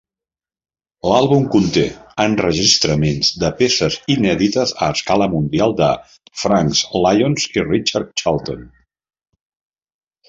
L'àlbum conté enregistraments de peces inèdites a escala mundial de Franks Lyons i Richard Charlton.